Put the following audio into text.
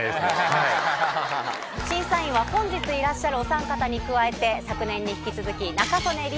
審査員は本日いらっしゃるお三方に加えて昨年に引き続き。